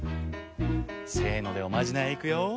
せのでおまじないいくよ。